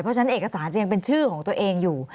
เพราะฉะนั้นเอกสารจะยังเป็นชื่อของตัวเองอยู่